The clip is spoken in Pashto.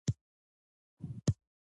هر لیکوال باید ګرامر مراعت کړي.